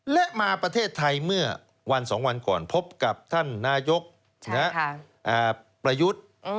และมาประเทศไทยเมื่อวัน๒วันก่อนพบกับท่านนายกประยุทธ์